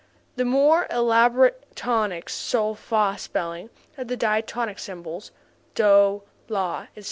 The more elaborate tonic sol fa spelling of the diatonic syllables (DOH, LAH, etc.)